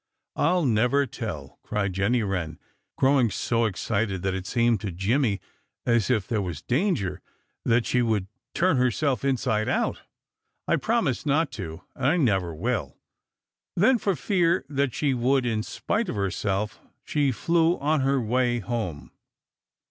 I'll never tell!" cried Jenny Wren, growing so excited that it seemed to Jimmy as if there was danger that she would turn herself inside out. "I promised not to and I never will!" Then, for fear that she would in spite of herself, she flew on her way home.